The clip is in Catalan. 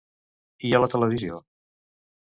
I a la televisió?